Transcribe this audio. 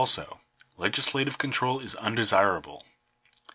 also, legislative control is undesirable.